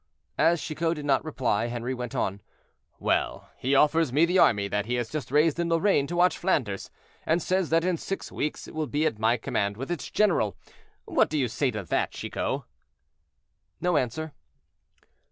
As Chicot did not reply, Henri went on. "Well! he offers me the army that he has just raised in Lorraine to watch Flanders, and says that in six weeks it will be at my command, with its general. What do you say to that, Chicot?" No answer.